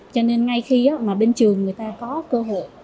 cho nên ngay khi mà bên trường người ta có cơ hội